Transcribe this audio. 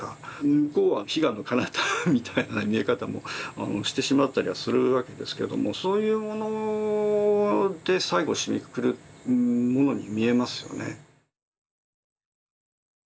向こうは彼岸の彼方みたいな見え方もしてしまったりはするわけですけれどもそういうもので最後締めくくるものに見えますよね。